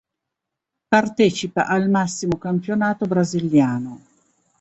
Partecipa al massimo campionato brasiliano.